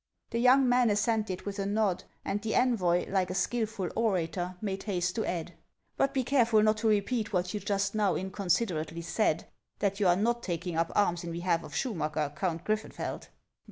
The young man assented with a nod, and the envoy, like a skilful orator, made haste to add :—" But be careful not to repeat what you just now incon siderately said, that you are not taking up arms in behalf of Schumacker, Count Griffenfeld."